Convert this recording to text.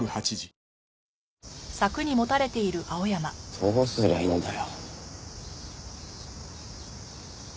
どうすりゃいいんだよ。